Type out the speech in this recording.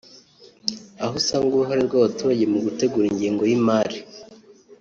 aho usanga uruhare rw’abaturage mu gutegura ingengo y’imari